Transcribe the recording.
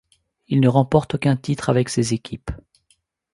Il ne remporte aucun titre avec ces équipes.